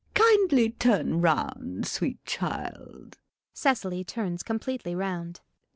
] Kindly turn round, sweet child. [Cecily turns completely round.